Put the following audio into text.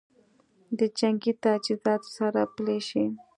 د جنګي تجهیزاتو سره پلي شي